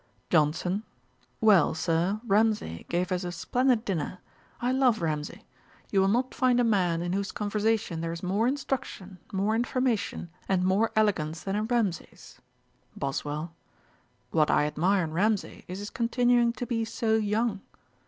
JOHNSON. 'Well, Sir, Ramsay gave us a splendid dinner. I love Ramsay. You will not find a man in whose conversation there is more instruction, more information, and more elegance, than in Ramsay's.' BOSWELL. 'What I admire in Ramsay, is his continuing to be so young.'